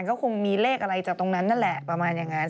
ก็คงมีเลขอะไรจากตรงนั้นนั่นแหละประมาณอย่างนั้น